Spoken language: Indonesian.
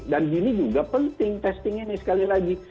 dan ini juga penting testing ini sekali lagi